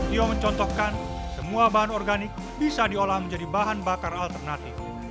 lio mencontohkan semua bahan organik bisa diolah menjadi bahan bakar alternatif